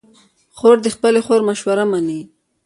خور د خپلې خور مشوره منې.